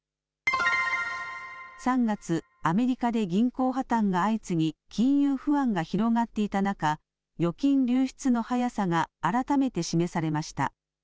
３月、アメリカで銀行破綻が相次ぎ、金融不安が広がっていた中、預金流出の速さが改めて示されました。